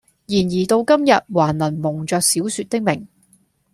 然而到今日還能蒙着小說的名，